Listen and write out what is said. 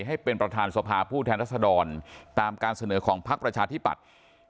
ให้เป็นประธานสภาผู้แทนรัศดรตามการเสนอของพักประชาธิปัตย์